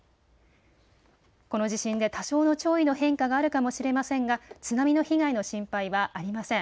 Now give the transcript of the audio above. この地震で多少の潮位の変化があるかもしれませんが津波の被害の心配はありません。